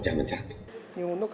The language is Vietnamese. chẳng hạn chẳng